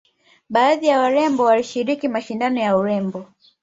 baadhi ya warembo walishiriki mashindano ya urembo